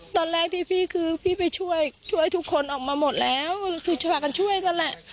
ตอนแรกที่พี่คือพี่ไปช่วยช่วยทุกคนออกมาหมดแล้วคือพากันช่วยกันแหละ